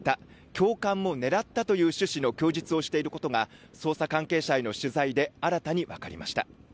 教官を狙ったという趣旨の供述をしていることが捜査関係者への取材で新たに分かりました。